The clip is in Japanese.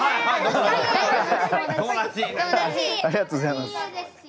ありがとうございます。